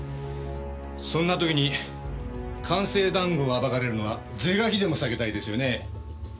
そんな時に官製談合が暴かれるのは是が非でも避けたいですよね。